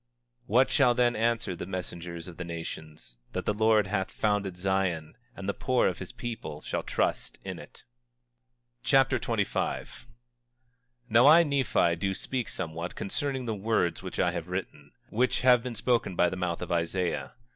24:32 What shall then answer the messengers of the nations? That the Lord hath founded Zion, and the poor of his people shall trust in it. 2 Nephi Chapter 25 25:1 Now I, Nephi, do speak somewhat concerning the words which I have written, which have been spoken by the mouth of Isaiah.